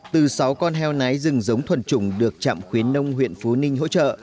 từ sáu con heo nái rừng giống thuần trùng được trạm khuyến nông huyện phú ninh hỗ trợ